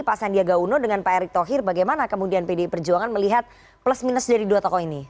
pak sandiaga uno dengan pak erick thohir bagaimana kemudian pdi perjuangan melihat plus minus dari dua tokoh ini